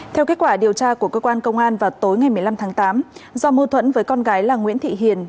theo kết quả điều tra của cơ quan công an vào tối ngày một mươi năm tháng tám do mâu thuẫn với con gái là nguyễn thị hiền